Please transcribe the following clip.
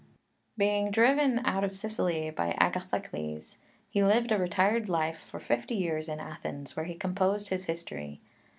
Being driven out of Sicily by Agathokles, he lived a retired life for fifty years in Athens, where he composed his History.